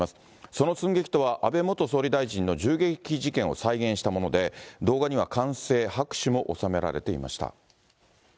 その寸劇とは、安倍元総理大臣の銃撃事件を再現したもので、動画には歓声、拍手も収められていました。